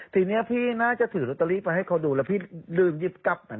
ทีนี้พี่น่าจะถือลอตเตอรี่ไปให้เขาดูแล้วพี่ลืมยิบกลับไป